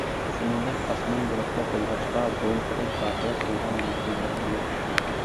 شۇنىڭدەك، ئاسمان بۇلۇتلۇق بولغاچقا، بۇرۇنقىدەك پارقىراپ تۇرغان يۇلتۇزلارمۇ يوق.